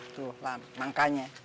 tuh lah makanya